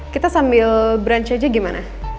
kita sambil brunch aja gimana